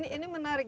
nah ini menarik